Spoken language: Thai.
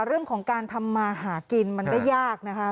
เรื่องของการทำมาหากินมันก็ยากนะคะ